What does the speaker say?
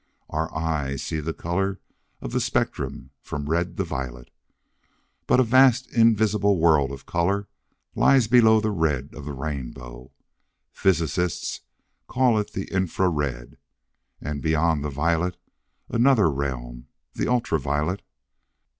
Our eyes see the colors of the spectrum, from red to violet. But a vast invisible world of color lies below the red of the rainbow! Physicists call it the infra red. And beyond the violet, another realm the ultra violet.